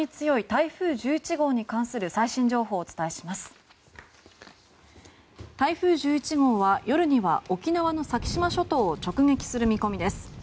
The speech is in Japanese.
台風１１号は夜には沖縄の先島諸島を直撃する見込みです。